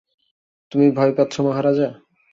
তুমি ভয় পাচ্ছ, মহারাজা?